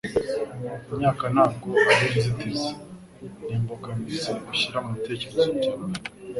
Imyaka ntabwo ari inzitizi. Ni imbogamizi ushyira mu bitekerezo byawe. ”